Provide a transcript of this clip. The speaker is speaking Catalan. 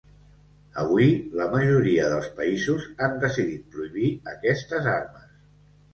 Avui, la majoria dels països han decidit prohibir aquestes armes.